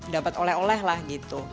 dapat oleh oleh lah gitu